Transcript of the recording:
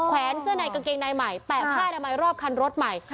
แวนเสื้อในกางเกงในใหม่แปะผ้าอนามัยรอบคันรถใหม่